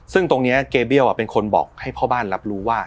ซึ่งตรงนี้เกเบี้ยวเป็นคนบอกให้พ่อบ้านรับรู้ว่า